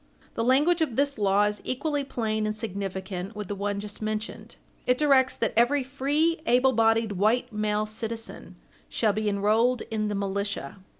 The language of this law is equally plain and significant with the one just mentioned. It directs that every "free able bodied white male citizen" shall be enrolled in the militia.